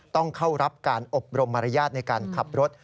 ต้องเข้ารับการอบรมมารยาทในการขับรถ